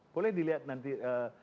boleh dilihat nanti eee